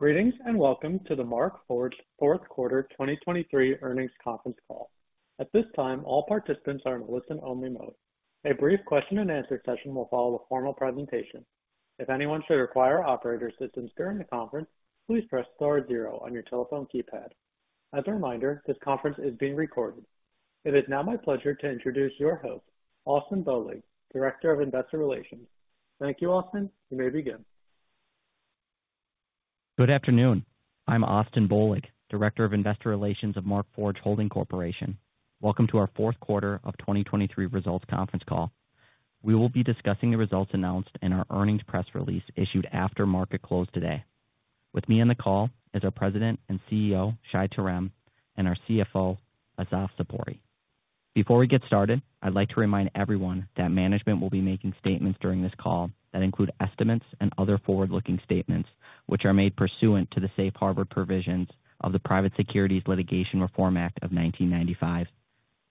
Greetings, and welcome to the Markforged fourth quarter 2023 earnings conference call. At this time, all participants are in listen-only mode. A brief question and answer session will follow the formal presentation. If anyone should require operator assistance during the conference, please press star zero on your telephone keypad. As a reminder, this conference is being recorded. It is now my pleasure to introduce your host, Austin Bohlig, Director of Investor Relations. Thank you, Austin. You may begin. Good afternoon. I'm Austin Bohlig, Director of Investor Relations of Markforged Holding Corporation. Welcome to our fourth quarter of 2023 results conference call. We will be discussing the results announced in our earnings press release issued after market close today. With me on the call is our President and CEO, Shai Terem, and our CFO, Assaf Zipori. Before we get started, I'd like to remind everyone that management will be making statements during this call that include estimates and other forward-looking statements, which are made pursuant to the safe harbor provisions of the Private Securities Litigation Reform Act of 1995.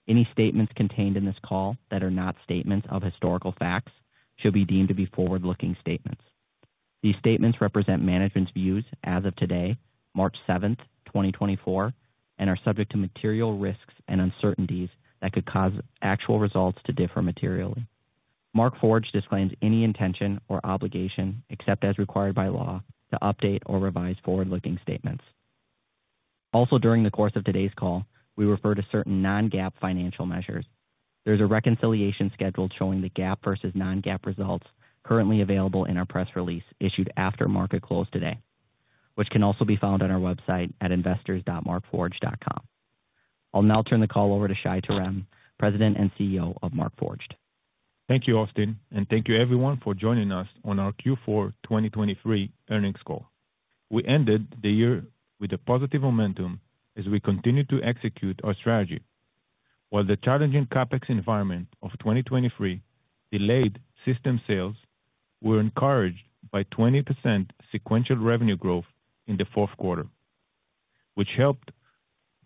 Any statements contained in this call that are not statements of historical facts should be deemed to be forward-looking statements. These statements represent management's views as of today, March 7, 2024, and are subject to material risks and uncertainties that could cause actual results to differ materially. Markforged disclaims any intention or obligation, except as required by law, to update or revise forward-looking statements. Also, during the course of today's call, we refer to certain non-GAAP financial measures. There's a reconciliation schedule showing the GAAP versus non-GAAP results currently available in our press release issued after market close today, which can also be found on our website at investors.markforged.com. I'll now turn the call over to Shai Terem, President and CEO of Markforged. Thank you, Austin, and thank you everyone for joining us on our Q4 2023 earnings call. We ended the year with a positive momentum as we continued to execute our strategy. While the challenging CapEx environment of 2023 delayed system sales, we're encouraged by 20% sequential revenue growth in the fourth quarter, which helped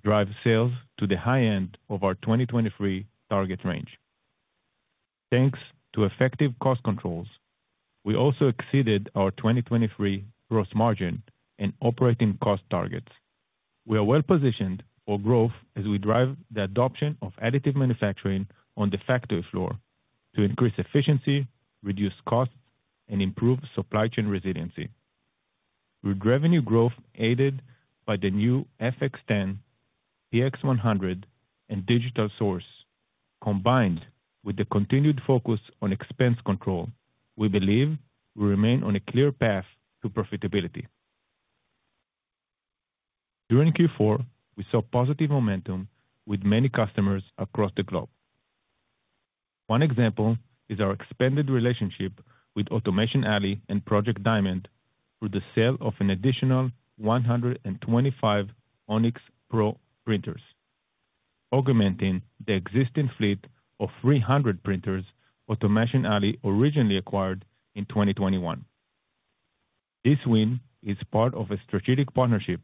drive sales to the high end of our 2023 target range. Thanks to effective cost controls, we also exceeded our 2023 gross margin and operating cost targets. We are well positioned for growth as we drive the adoption of additive manufacturing on the factory floor to increase efficiency, reduce costs, and improve supply chain resiliency. With revenue growth aided by the new FX10, PX100, and Digital Source, combined with the continued focus on expense control, we believe we remain on a clear path to profitability. During Q4, we saw positive momentum with many customers across the globe. One example is our expanded relationship with Automation Alley and Project DIAMOnD through the sale of an additional 125 Onyx Pro printers, augmenting the existing fleet of 300 printers Automation Alley originally acquired in 2021. This win is part of a strategic partnership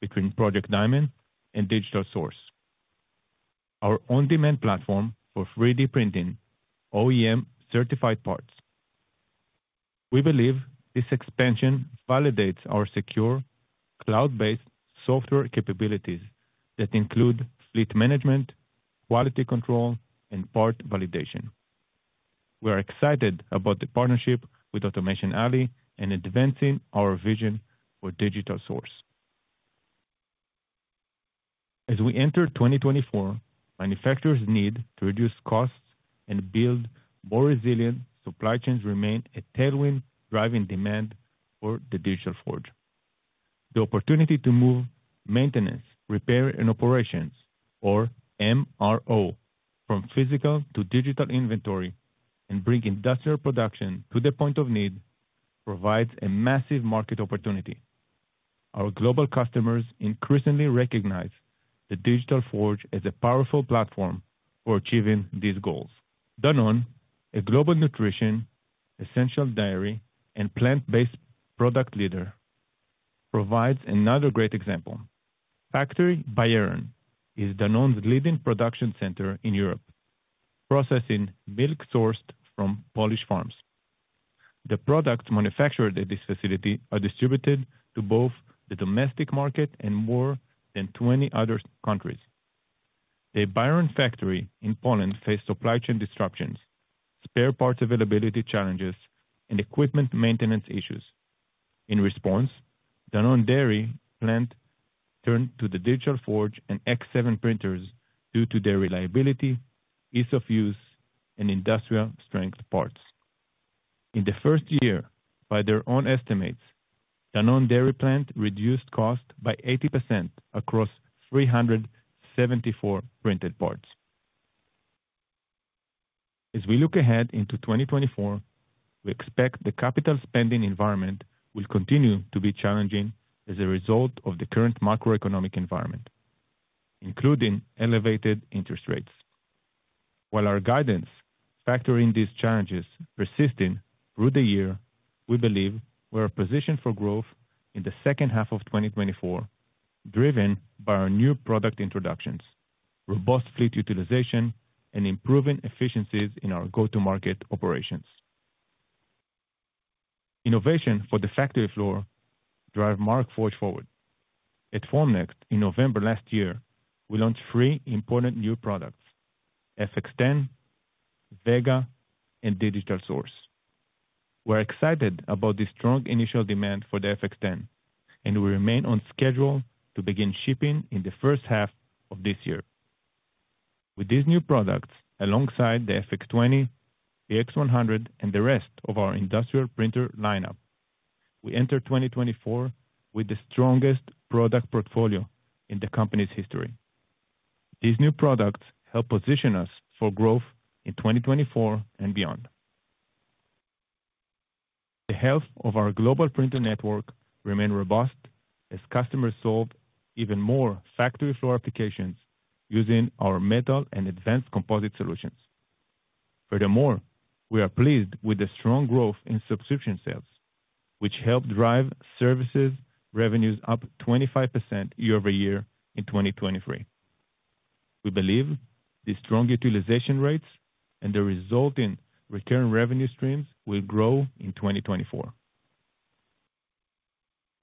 between Project DIAMOnD and Digital Source, our on-demand platform for 3D printing, OEM-certified parts. We believe this expansion validates our secure, cloud-based software capabilities that include fleet management, quality control, and part validation. We are excited about the partnership with Automation Alley and advancing our vision for Digital Source. As we enter 2024, manufacturers' need to reduce costs and build more resilient supply chains remain a tailwind, driving demand for the Digital Forge. The opportunity to move maintenance, repair, and operations, or MRO, from physical to digital inventory and bring industrial production to the point of need, provides a massive market opportunity. Our global customers increasingly recognize the Digital Forge as a powerful platform for achieving these goals. Danone, a global nutrition, essential dairy, and plant-based product leader, provides another great example. The Bierun factory is Danone's leading production center in Europe, processing milk sourced from Polish farms. The products manufactured at this facility are distributed to both the domestic market and more than 20 other countries. The Bierun factory in Poland faced supply chain disruptions, spare parts availability challenges, and equipment maintenance issues. In response, Danone dairy plant turned to the Digital Forge and X7 printers due to their reliability, ease of use, and industrial-strength parts. In the first year, by their own estimates, Danone dairy plant reduced cost by 80% across 374 printed parts. As we look ahead into 2024, we expect the capital spending environment will continue to be challenging as a result of the current macroeconomic environment, including elevated interest rates. While our guidance factor in these challenges persisting through the year, we believe we're positioned for growth in the second half of 2024, driven by our new product introductions, robust fleet utilization, and improving efficiencies in our go-to-market operations. Innovation for the factory floor drive Markforged forward. At Formnext, in November last year, we launched three important new products, FX10, Vega, and Digital Source. We're excited about the strong initial demand for the FX10, and we remain on schedule to begin shipping in the first half of this year. With these new products, alongside the FX20, the PX100, and the rest of our industrial printer lineup, we enter 2024 with the strongest product portfolio in the company's history. These new products help position us for growth in 2024 and beyond. The health of our global printer network remain robust as customers solve even more factory floor applications using our metal and advanced composite solutions. Furthermore, we are pleased with the strong growth in subscription sales, which helped drive services revenues up 25% year-over-year in 2023. We believe these strong utilization rates and the resulting return revenue streams will grow in 2024.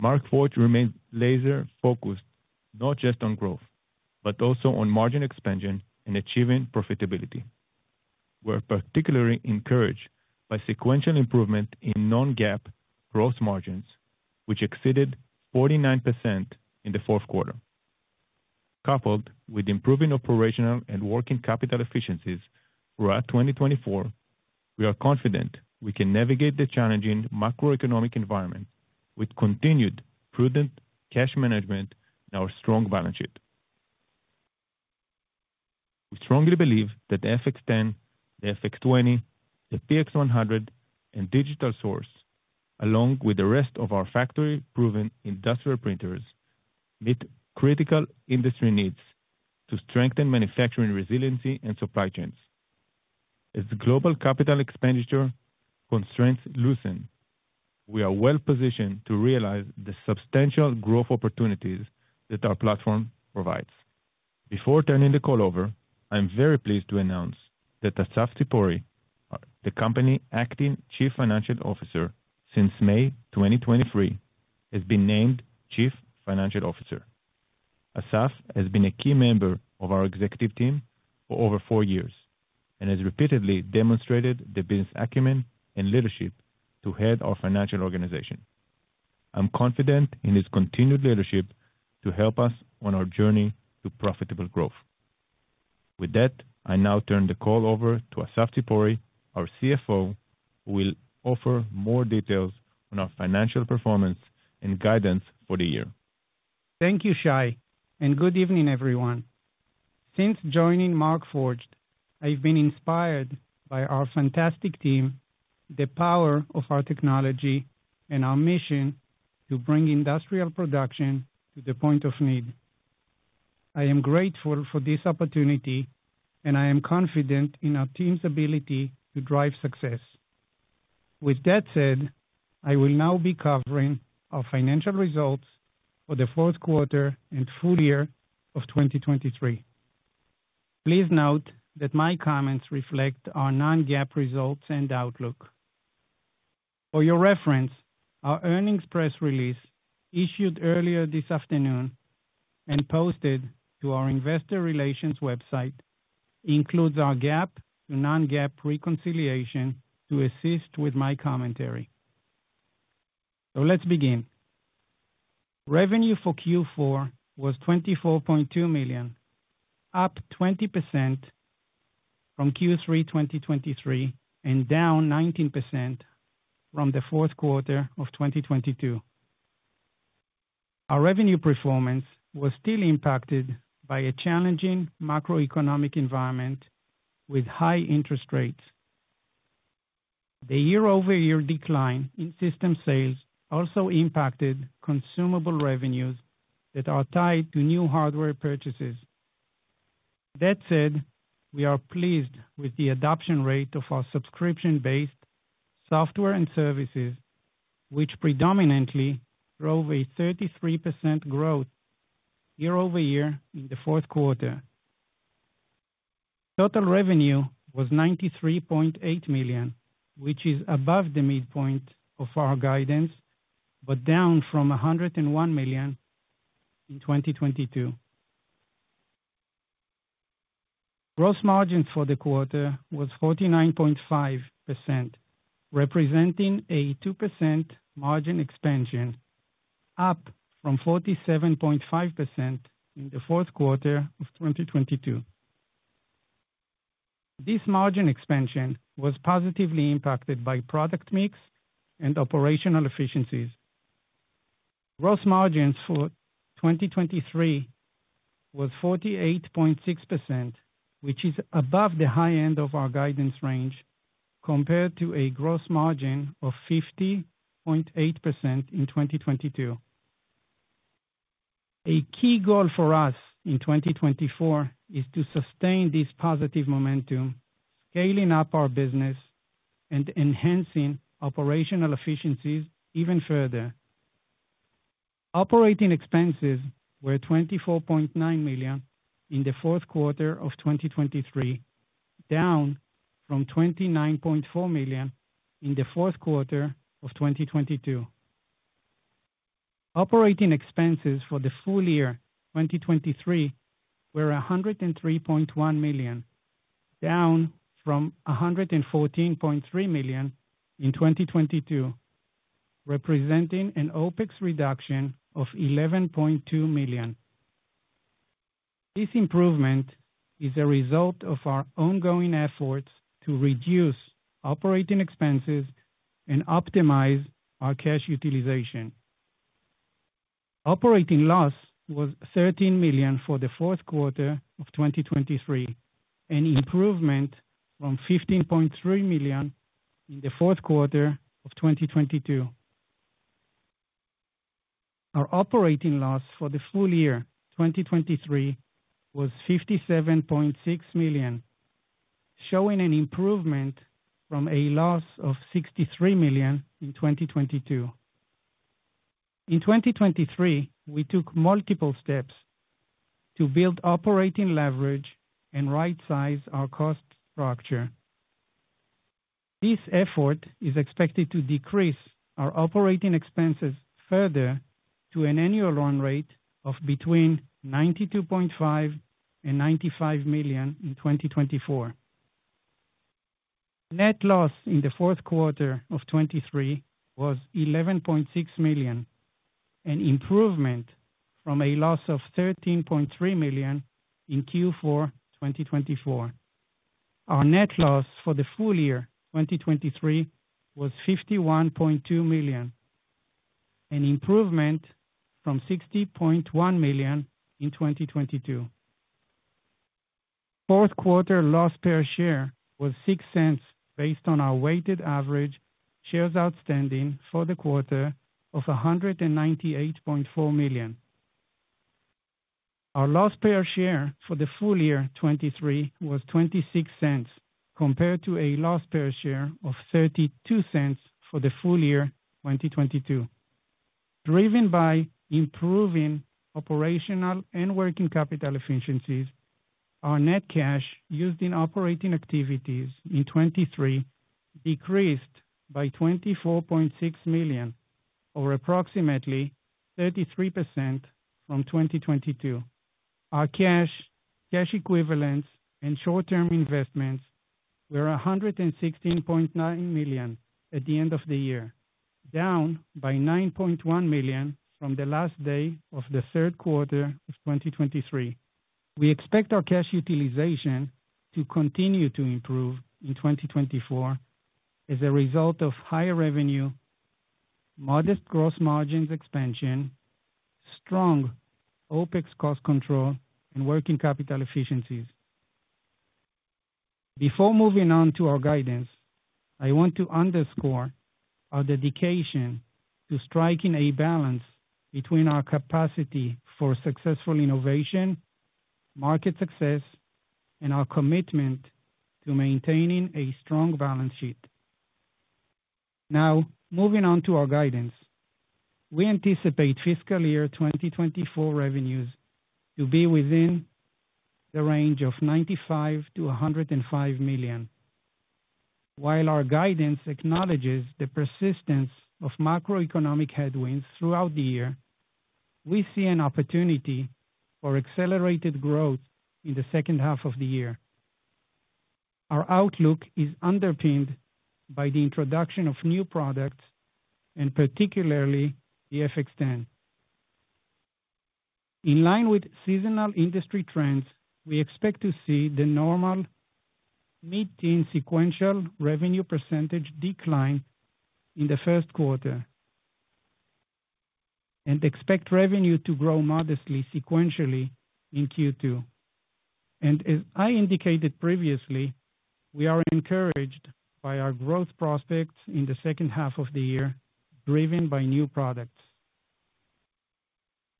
Markforged remains laser-focused, not just on growth, but also on margin expansion and achieving profitability. We're particularly encouraged by sequential improvement in non-GAAP gross margins, which exceeded 49% in the fourth quarter. Coupled with improving operational and working capital efficiencies throughout 2024, we are confident we can navigate the challenging macroeconomic environment with continued prudent cash management and our strong balance sheet. We strongly believe that the FX10, the FX20, the PX100, and Digital Source, along with the rest of our factory-proven industrial printers, meet critical industry needs to strengthen manufacturing resiliency and supply chains. As global capital expenditure constraints loosen, we are well positioned to realize the substantial growth opportunities that our platform provides. Before turning the call over, I'm very pleased to announce that Assaf Zipori, the company's Acting Chief Financial Officer since May 2023, has been named Chief Financial Officer. Assaf has been a key member of our executive team for over four years and has repeatedly demonstrated the business acumen and leadership to head our financial organization. I'm confident in his continued leadership to help us on our journey to profitable growth. With that, I now turn the call over to Assaf Zipori, our CFO, who will offer more details on our financial performance and guidance for the year. Thank you, Shai, and good evening, everyone. Since joining Markforged, I've been inspired by our fantastic team, the power of our technology, and our mission to bring industrial production to the point of need. I am grateful for this opportunity, and I am confident in our team's ability to drive success. With that said, I will now be covering our financial results for the fourth quarter and full year of 2023. Please note that my comments reflect our non-GAAP results and outlook. For your reference, our earnings press release, issued earlier this afternoon and posted to our investor relations website, includes our GAAP and non-GAAP reconciliation to assist with my commentary. So let's begin. Revenue for Q4 was $24.2 million, up 20% from Q3 2023, and down 19% from the fourth quarter of 2022. Our revenue performance was still impacted by a challenging macroeconomic environment with high interest rates. The year-over-year decline in system sales also impacted consumable revenues that are tied to new hardware purchases. That said, we are pleased with the adoption rate of our subscription-based software and services, which predominantly drove a 33% growth year-over-year in the fourth quarter. Total revenue was $93.8 million, which is above the midpoint of our guidance, but down from $101 million in 2022. Gross margin for the quarter was 49.5%, representing a 2% margin expansion, up from 47.5% in the fourth quarter of 2022. This margin expansion was positively impacted by product mix and operational efficiencies. Gross margins for 2023 was 48.6%, which is above the high end of our guidance range, compared to a gross margin of 50.8% in 2022. A key goal for us in 2024 is to sustain this positive momentum, scaling up our business and enhancing operational efficiencies even further. Operating expenses were $24.9 million in the fourth quarter of 2023, down from $29.4 million in the fourth quarter of 2022. Operating expenses for the full year 2023 were $103.1 million, down from $114.3 million in 2022, representing an OpEx reduction of $11.2 million. This improvement is a result of our ongoing efforts to reduce operating expenses and optimize our cash utilization. Operating loss was $13 million for the fourth quarter of 2023, an improvement from $15.3 million in the fourth quarter of 2022. Our operating loss for the full year 2023 was $57.6 million, showing an improvement from a loss of $63 million in 2022. In 2023, we took multiple steps to build operating leverage and rightsize our cost structure. This effort is expected to decrease our operating expenses further to an annual run rate of between $92.5 million and $95 million in 2024. Net loss in the fourth quarter of 2023 was $11.6 million, an improvement from a loss of $13.3 million in Q4 2024. Our net loss for the full year, 2023, was $51.2 million, an improvement from $60.1 million in 2022. Fourth quarter loss per share was $0.06, based on our weighted average shares outstanding for the quarter of 198.4 million. Our loss per share for the full year 2023 was $0.26, compared to a loss per share of $0.32 for the full year 2022. Driven by improving operational and working capital efficiencies, our net cash used in operating activities in 2023 decreased by $24.6 million, or approximately 33% from 2022. Our cash, cash equivalents, and short-term investments were $116.9 million at the end of the year, down by $9.1 million from the last day of the third quarter of 2023. We expect our cash utilization to continue to improve in 2024 as a result of higher revenue, modest gross margins expansion, strong OpEx cost control, and working capital efficiencies. Before moving on to our guidance, I want to underscore our dedication to striking a balance between our capacity for successful innovation, market success, and our commitment to maintaining a strong balance sheet. Now, moving on to our guidance. We anticipate fiscal year 2024 revenues to be within the range of $95 million-$105 million. While our guidance acknowledges the persistence of macroeconomic headwinds throughout the year, we see an opportunity for accelerated growth in the second half of the year. Our outlook is underpinned by the introduction of new products, and particularly the FX-10. In line with seasonal industry trends, we expect to see the normal mid-teen sequential revenue percentage decline in the first quarter, and expect revenue to grow modestly sequentially in Q2. As I indicated previously, we are encouraged by our growth prospects in the second half of the year, driven by new products.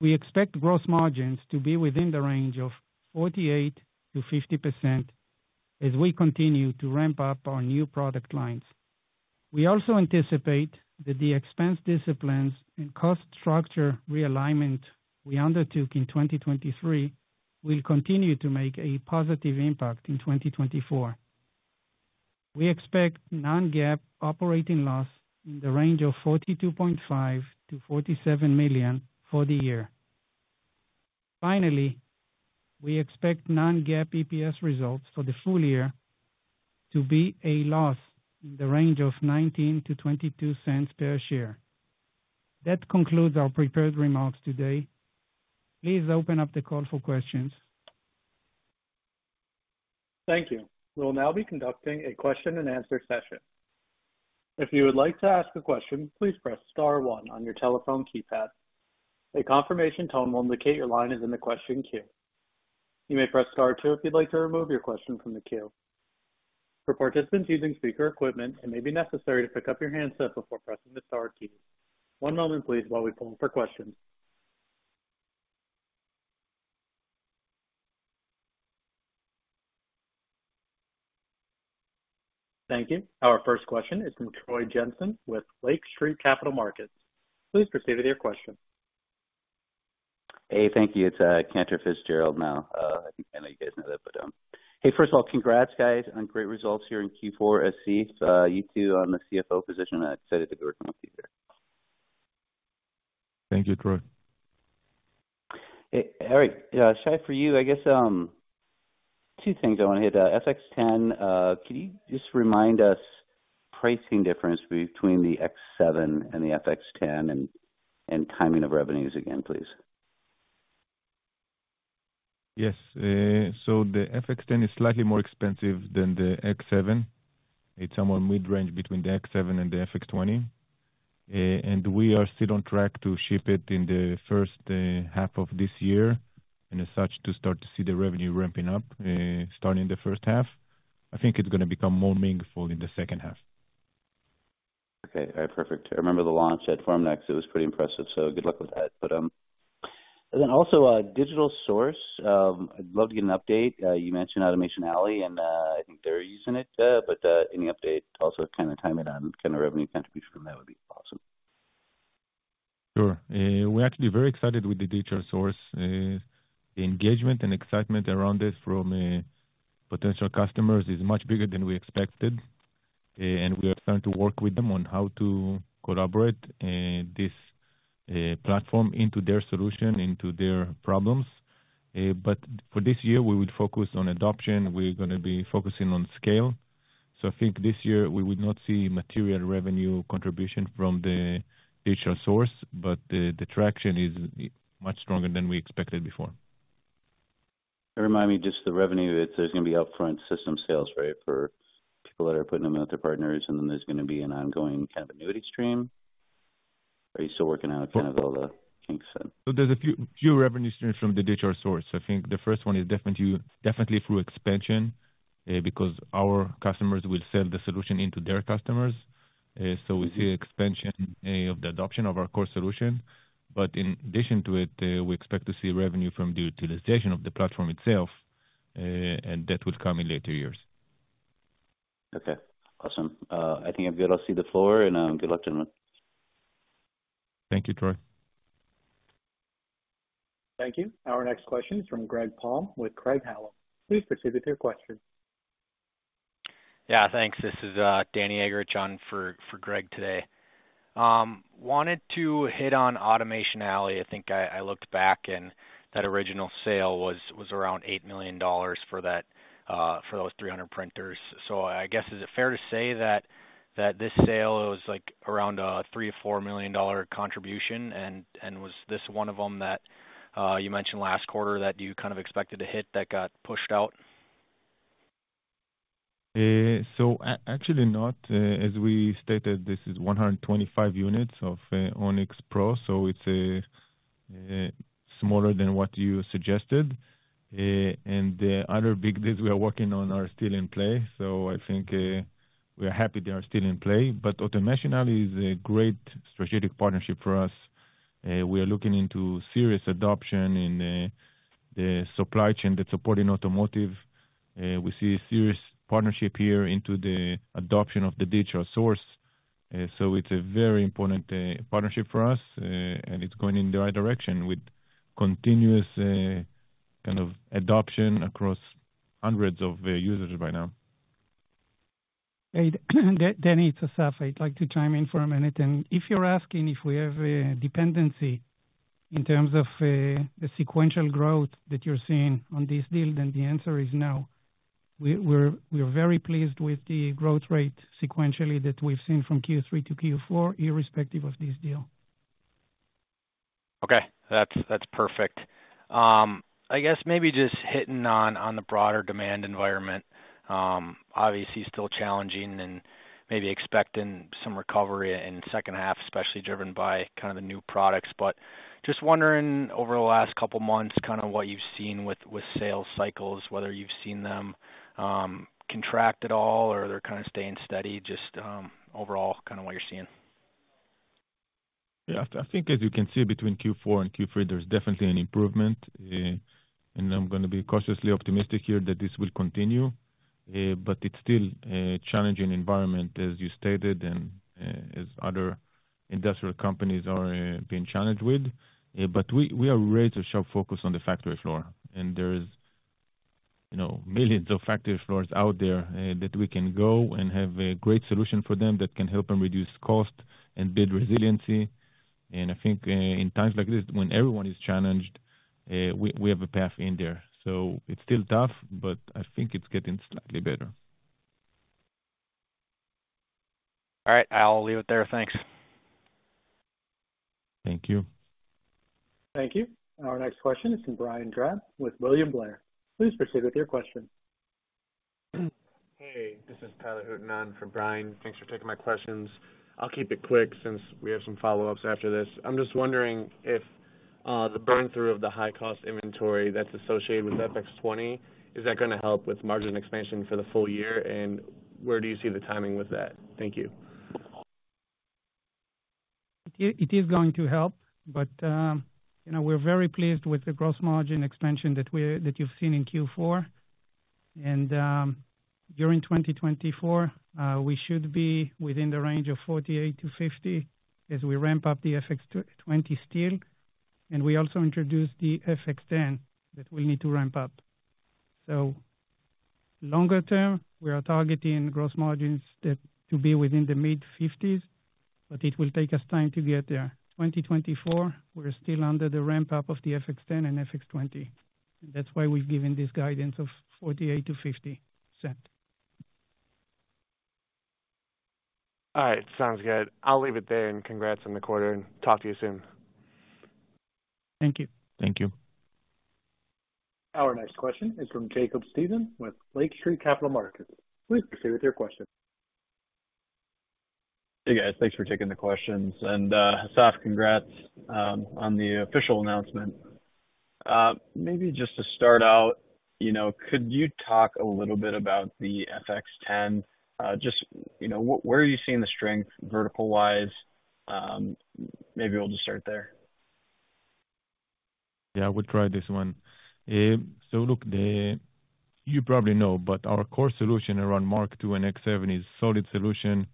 We expect gross margins to be within the range of 48%-50% as we continue to ramp up our new product lines. We also anticipate that the expense disciplines and cost structure realignment we undertook in 2023 will continue to make a positive impact in 2024. We expect Non-GAAP operating loss in the range of $42.5 million-$47 million for the year. Finally, we expect Non-GAAP EPS results for the full year to be a loss in the range of -$0.19 to -$0.22. That concludes our prepared remarks today. Please open up the call for questions. Thank you. We'll now be conducting a question-and-answer session. If you would like to ask a question, please press star one on your telephone keypad. A confirmation tone will indicate your line is in the question queue. You may press star two if you'd like to remove your question from the queue. For participants using speaker equipment, it may be necessary to pick up your handset before pressing the star key. One moment please, while we pull them for questions. Thank you. Our first question is from Troy Jensen with Lake Street Capital Markets. Please proceed with your question. Hey, thank you. It's Cantor Fitzgerald now. I think I know you guys know that, but, hey, first of all, congrats, guys, on great results here in Q4 at SE. You two, on the CFO position, I'm excited to be working with you there. Thank you, Troy. Hey, Eric, Shai, for you, I guess, two things I want to hit. FX10, can you just remind us pricing difference between the X7 and the FX10 and, and timing of revenues again, please? Yes. So the FX10 is slightly more expensive than the X7. It's somewhere mid-range between the X7 and the FX20. And we are still on track to ship it in the first half of this year, and as such, to start to see the revenue ramping up, starting in the first half. I think it's going to become more meaningful in the second half. Okay, all right. Perfect. I remember the launch at Formnext. It was pretty impressive, so good luck with that. But, and then also, Digital Source, I'd love to get an update. You mentioned Automation Alley, and, I think they're using it, but, any update, also kind of time it on kind of revenue contribution from that would be awesome. Sure. We're actually very excited with the Digital Source. The engagement and excitement around this from potential customers is much bigger than we expected, and we are starting to work with them on how to collaborate this platform into their solution, into their problems. But for this year, we would focus on adoption. We're gonna be focusing on scale. So I think this year we will not see material revenue contribution from the Digital Source, but the traction is much stronger than we expected before. Remind me just the revenue. It's, there's gonna be upfront system sales, right, for people that are putting them out to their partners, and then there's gonna be an ongoing kind of annuity stream? Are you still working out kind of all the kinks then? So there's a few revenue streams from the Digital Source. I think the first one is definitely through expansion, because our customers will sell the solution into their customers. So we see expansion of the adoption of our core solution. But in addition to it, we expect to see revenue from the utilization of the platform itself, and that will come in later years. Okay, awesome. I think I've got to cede the floor, and good luck, gentlemen. Thank you, Troy. Thank you. Our next question is from Greg Palm with Craig-Hallum. Please proceed with your question. Yeah, thanks. This is Danny Hager on for Greg today. Wanted to hit on Automation Alley. I think I looked back and that original sale was around $8 million for those 300 printers. So I guess, is it fair to say that this sale is like around $3 million-$4 million contribution? And was this one of them that you mentioned last quarter that you kind of expected to hit, that got pushed out? Actually not. As we stated, this is 125 units of Onyx Pro, so it's smaller than what you suggested. And the other big deals we are working on are still in play, so I think we are happy they are still in play. But Automation Alley is a great strategic partnership for us. We are looking into serious adoption in the supply chain that's supporting automotive. We see a serious partnership here into the adoption of the Digital Source, so it's a very important partnership for us, and it's going in the right direction with continuous kind of adoption across hundreds of users by now. Hey, Danny, it's Assaf. I'd like to chime in for a minute. And if you're asking if we have a dependency in terms of the sequential growth that you're seeing on this deal, then the answer is no. We're very pleased with the growth rate sequentially that we've seen from Q3 to Q4, irrespective of this deal. Okay, that's, that's perfect. I guess maybe just hitting on, on the broader demand environment, obviously still challenging and maybe expecting some recovery in second half, especially driven by kind of the new products, but just wondering, over the last couple of months, kind of what you've seen with, with sales cycles, whether you've seen them, contract at all, or they're kind of staying steady, just, overall, kind of what you're seeing. Yeah, I think as you can see between Q4 and Q3, there's definitely an improvement, and I'm gonna be cautiously optimistic here that this will continue. But it's still a challenging environment, as you stated, and as other industrial companies are being challenged with. But we are ready to sharp focus on the factory floor, and there is, you know, millions of factory floors out there that we can go and have a great solution for them that can help them reduce cost and build resiliency. And I think in times like this, when everyone is challenged, we have a path in there. So it's still tough, but I think it's getting slightly better. All right, I'll leave it there. Thanks. Thank you. Thank you. Our next question is from Brian Drab with William Blair. Please proceed with your question. Hey, this is Tyler Hutin for Brian. Thanks for taking my questions. I'll keep it quick since we have some follow-ups after this. I'm just wondering if, the burn-through of the high-cost inventory that's associated with FX-20, is that gonna help with margin expansion for the full year, and where do you see the timing with that? Thank you.... It, it is going to help, but, you know, we're very pleased with the gross margin expansion that we're, that you've seen in Q4. And during 2024, we should be within the range of 48%-50% as we ramp up the FX20, and we also introduced the FX10 that we need to ramp up. So longer term, we are targeting gross margins to be within the mid-50s%, but it will take us time to get there. 2024, we're still under the ramp up of the FX10 and FX20. That's why we've given this guidance of 48%-50%. All right, sounds good. I'll leave it there, and congrats on the quarter, and talk to you soon. Thank you. Thank you. Our next question is from Jacob Stephan with Lake Street Capital Markets. Please proceed with your question. Hey, guys. Thanks for taking the questions, and, Assaf, congrats on the official announcement. Maybe just to start out, you know, could you talk a little bit about the FX10? Just, you know, where are you seeing the strength vertical-wise? Maybe I'll just start there. Yeah, I will try this one. So look, the-- you probably know, but our core solution around Mark Two and X7 is solid solution,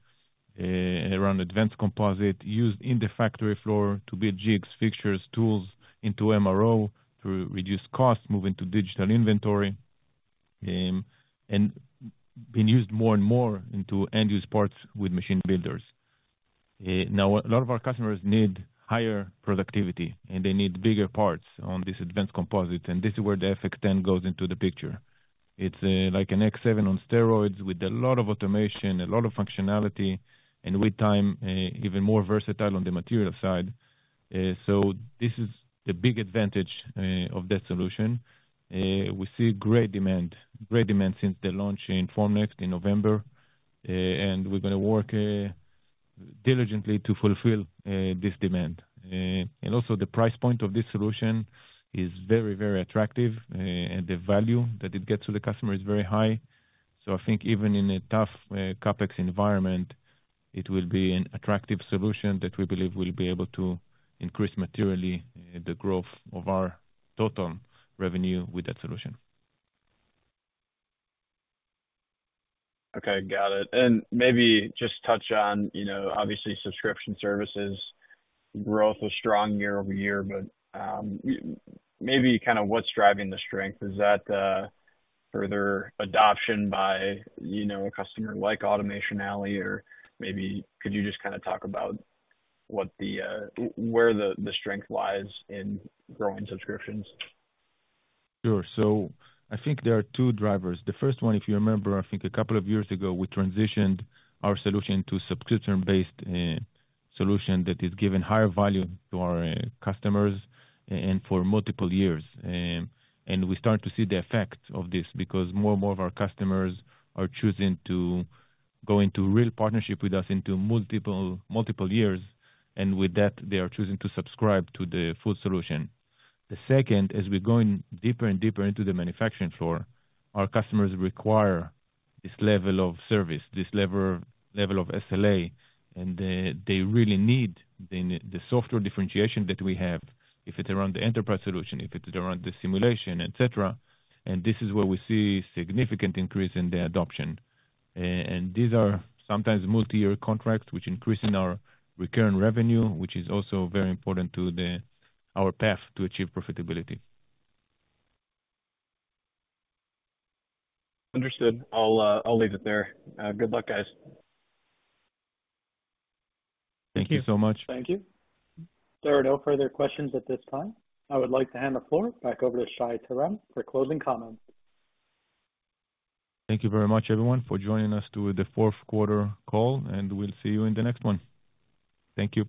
around advanced composite used in the factory floor to build jigs, fixtures, tools into MRO to reduce costs, moving to digital inventory, and being used more and more into end-use parts with machine builders. Now a lot of our customers need higher productivity, and they need bigger parts on this advanced composite, and this is where the FX10 goes into the picture. It's, like an X7 on steroids with a lot of automation, a lot of functionality, and with time, even more versatile on the material side. So this is the big advantage, of that solution. We see great demand, great demand since the launch in Formnext in November, and we're gonna work diligently to fulfill this demand. And also, the price point of this solution is very, very attractive, and the value that it gets to the customer is very high. So I think even in a tough CapEx environment, it will be an attractive solution that we believe will be able to increase materially the growth of our total revenue with that solution. Okay, got it. And maybe just touch on, you know, obviously, subscription services growth was strong year-over-year, but maybe kind of what's driving the strength. Is that further adoption by, you know, a customer like Automation Alley, or maybe could you just kinda talk about what the where the strength lies in growing subscriptions? Sure. So I think there are two drivers. The first one, if you remember, I think a couple of years ago, we transitioned our solution to subscription-based solution that is giving higher value to our customers, and for multiple years. And we start to see the effects of this because more and more of our customers are choosing to go into real partnership with us into multiple years, and with that, they are choosing to subscribe to the full solution. The second, as we're going deeper and deeper into the manufacturing floor, our customers require this level of service, this level of SLA, and they really need the software differentiation that we have, if it's around the enterprise solution, if it's around the simulation, et cetera, and this is where we see significant increase in the adoption. These are sometimes multi-year contracts, which increase our recurring revenue, which is also very important to our path to achieve profitability. Understood. I'll, I'll leave it there. Good luck, guys. Thank you so much. Thank you. There are no further questions at this time. I would like to hand the floor back over to Shai Terem for closing comments. Thank you very much, everyone, for joining us to the fourth quarter call, and we'll see you in the next one. Thank you.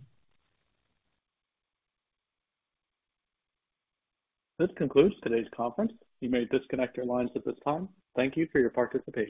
This concludes today's conference. You may disconnect your lines at this time. Thank you for your participation.